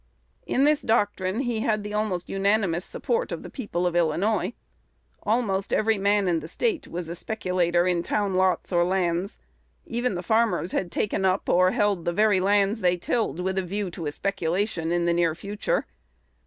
In this doctrine he had the almost unanimous support of the people of Illinois. Almost every man in the State was a speculator in town lots or lands. Even the farmers had taken up or held the very lands they tilled with a view to a speculation in the near future.